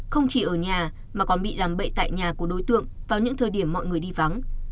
không chỉ ở nhà mà còn bị làm bậy tại nhà của đối tượng vào những thời điểm mọi người đi vắng